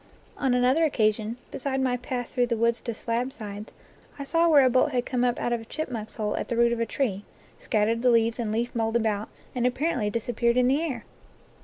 On another occasion, beside my path through the woods to Slabsides, I saw where a bolt had come up out of a chipmunk's hole at the root of a tree, scat tered the leaves and leaf mould about, and appar ently disappeared in the air.